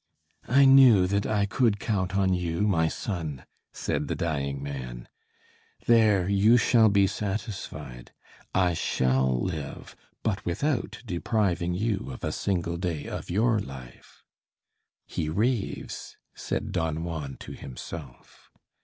"I knew that I could count on you, my son," said the dying man. "There, you shall be satisfied. I shall live, but without depriving you of a single day of your life." "He raves," said Don Juan to himself.